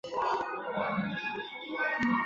第二丁卯是一艘日本海军军舰。